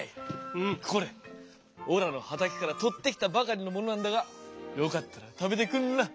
これおらの畑からとってきたばかりのものなんだがよかったら食べてくんろ。